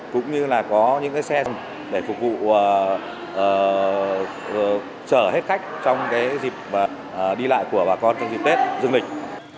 cũng như là có những xe để phục vụ chở hết khách trong dịp đi lại của bà con trong dịp tết dương lịch